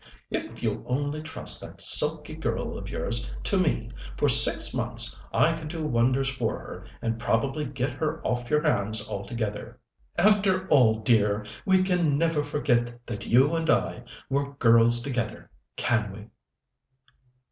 If you'll only trust that sulky girl of yours to me for six months, I could do wonders for her, and probably get her off your hands altogether. After all, dear, we can never forget that you and I were girls together, can we?"